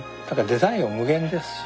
デザインは無限ですし。